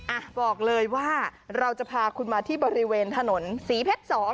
อ่ะบอกเลยว่าเราจะพาคุณมาที่บริเวณถนนศรีเพชรสอง